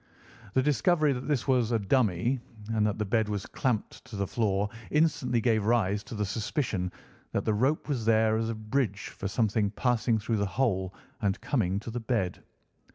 The discovery that this was a dummy, and that the bed was clamped to the floor, instantly gave rise to the suspicion that the rope was there as a bridge for something passing through the hole and coming to the bed.